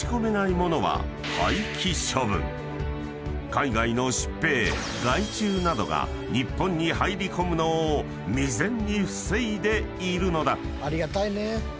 ［海外の疾病害虫などが日本に入り込むのを未然に防いでいるのだ］